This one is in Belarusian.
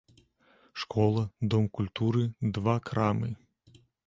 Школа, дом культуры, два крамы.